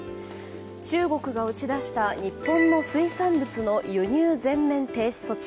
中国が打ち出した日本の水産物の輸入全面停止措置。